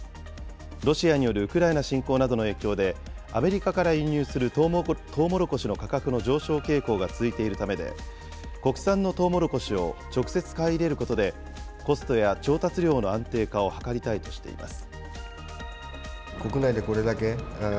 ロシアによるウクライナ侵攻などの影響で、アメリカから輸入するとうもろこしの価格の上昇傾向が続いているためで、国産のとうもろこしを直接買い入れることで、コストや調達量の安定化を図りたいとしています。